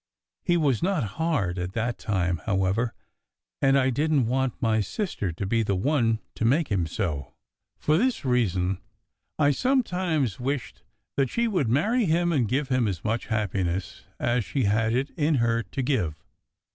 He was not hard at that time, however, and I didn t want my sister to be the one to make him so. For this reason, I sometimes wished that she would marry him, and give him as much happiness as she had it in her to give.